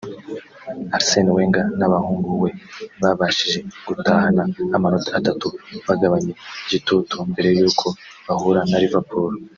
Arsene Wenger n'abahungu we babashije gutahana amanota atatu bagabanye igitutu mbere y'uko bahura na Liverpool